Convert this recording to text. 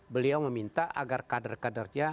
beliau meminta agar kader kadernya